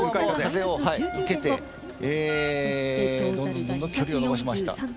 風を受けてどんどん距離を伸ばしました。